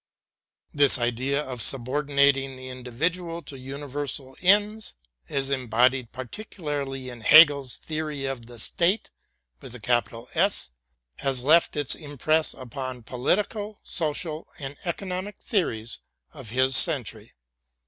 This idea of subordinating the individual to universal ends, as embodied particularly in Hegel's theory of the State, has left its impress upon politi cal, social, and economic theories of his century.